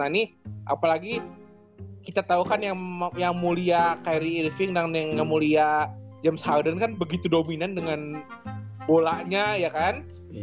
nah ini apalagi kita tau kan yang mulia carey irving dan yang mulia james harden kan begitu dominan dengan bolanya ya kan